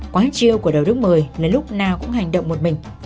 quá chiêu của đậu đức một mươi là lúc nào cũng hành động một mình